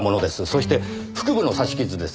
そして腹部の刺し傷ですが。